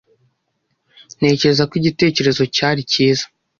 Ntekereza ko igitekerezo cya ari cyiza.